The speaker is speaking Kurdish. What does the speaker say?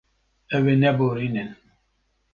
Ew ê neborînin.